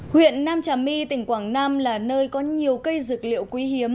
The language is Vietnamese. huyện nam trà my tỉnh quảng nam là nơi có nhiều cây dược liệu quý hiếm